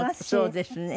そうですね。